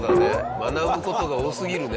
学ぶ事が多すぎるね。